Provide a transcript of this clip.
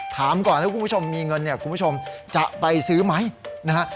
ถามก่อนถ้าคุณผู้ชมมีเงินเนี่ยคุณผู้ชมจะไปซื้อไหมนะฮะ